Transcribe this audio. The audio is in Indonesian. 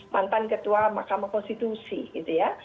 mantan ketua mahkamah konstitusi gitu ya